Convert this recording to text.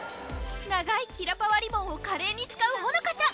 長いキラパワリボンを華麗に使うホノカちゃん。